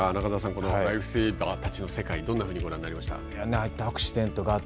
このライフセーバーたちの世界どんなふうにご覧になりましたか。